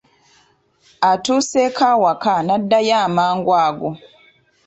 Atuuseeko awaka n’addayo amangu ago.